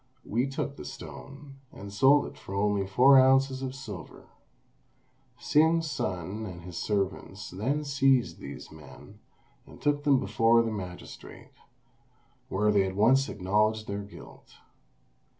We took the stone, and sold it for only four ounces of silver." Hsing's son and his servants then seized these men, and took them before the magistrate, where they at once acknowledged their guilt.